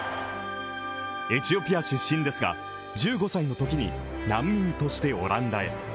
エチオピア出身ですが、１５歳のときに難民としてオランダへ。